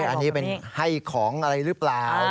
อันนี้เป็นให้ของอะไรหรือเปล่า